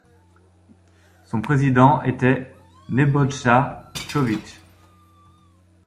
Son président était Nebojša Čović.